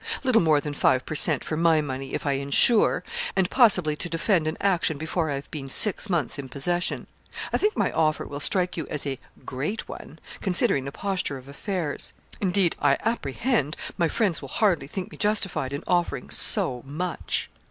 Little more than five per cent, for my money, if I insure and possibly to defend an action before I've been six months in possession. I think my offer will strike you as a great one, considering the posture of affairs. Indeed, I apprehend, my friends will hardly think me justified in offering so much.'